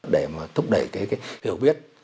để mà thúc đẩy cái hiểu biết